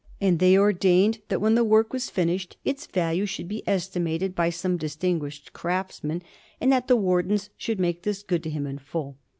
And they ordained that when the work was finished, its value should be estimated by some distinguished craftsman, and that the Wardens should make this good to him in full.